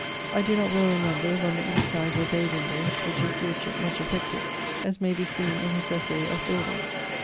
I doe not well remember if on the east side were bay windowes, which his lordship much affected, as may be seen in his essay Of Building.